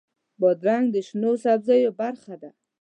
بادرنګ د شنو سبزیو برخه ده.